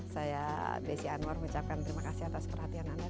saya desy anwar ucapkan terima kasih atas perhatian anda